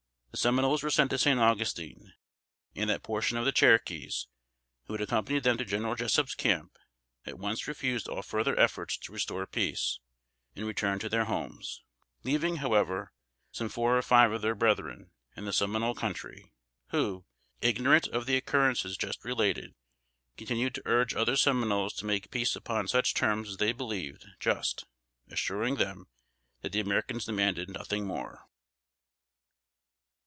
The Seminoles were sent to San Augustine; and that portion of the Cherokees who had accompanied them to General Jessup's camp, at once refused all further efforts to restore peace, and returned to their homes; leaving, however, some four or five of their brethren in the Seminole country, who, ignorant of the occurrences just related, continued to urge other Seminoles to make peace upon such terms as they believed just assuring them that the Americans demanded nothing more.